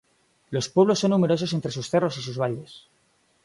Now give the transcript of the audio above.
Los pueblos son numerosos entre sus cerros y sus valles.